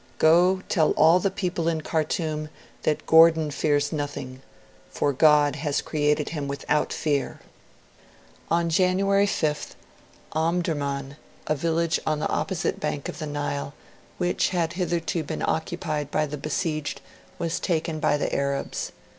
Go, tell all the people in Khartoum that Gordon fears nothing, for God has created him without fear."' On January 5th, Omdurman, a village on the opposite bank of the Nile, which had hitherto been occupied by the besieged, was taken by the Arabs.